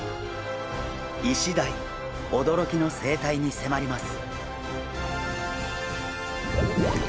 イシダイおどろきの生態にせまります！